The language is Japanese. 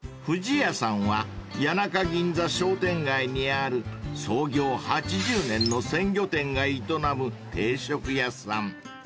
［冨じ家さんは谷中銀座商店街にある創業８０年の鮮魚店が営む定食屋さん］